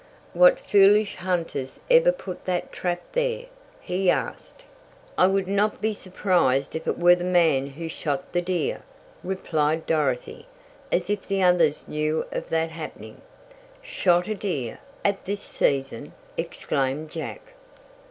"What foolish hunters ever put that trap there?" he asked. "I would not be surprised if it were the man who shot the deer," replied Dorothy, as if the others knew of that happening. "Shot a deer! At this season!" exclaimed Jack.